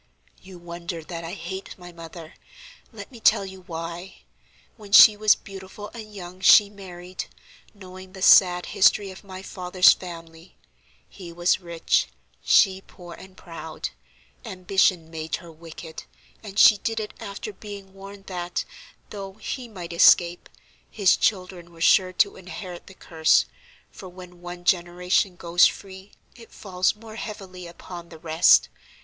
"You wonder that I hate my mother; let me tell you why. When she was beautiful and young she married, knowing the sad history of my father's family. He was rich, she poor and proud; ambition made her wicked, and she did it after being warned that, though he might escape, his children were sure to inherit the curse, for when one generation goes free it falls more heavily upon the rest.